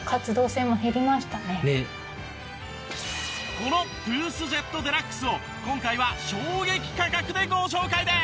このトゥースジェットＤＸを今回は衝撃価格でご紹介です！